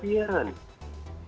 jadi itu adalah yang paling penting